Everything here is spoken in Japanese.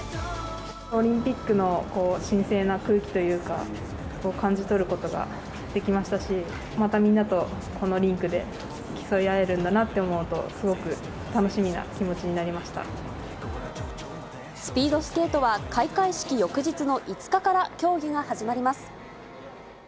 オリンピックの神聖な空気というか、を感じ取ることができましたし、またみんなとこのリンクで、競い合えるんだなって思うと、すごく楽しみな気持ちになりましスピードスケートは、開会式翌日の５日から競技が始まります。